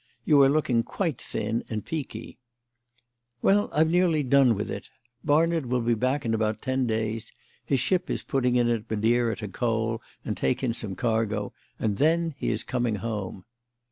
You are looking quite thin and peaky." "Well, I've nearly done with it. Barnard will be back in about ten days. His ship is putting in at Madeira to coal and take in some cargo, and then he is coming home.